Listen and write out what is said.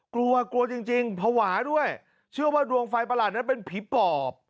กลัวกลัวจริงจริงภาวะด้วยเชื่อว่าดวงไฟประหลาดนั้นเป็นผีปอบ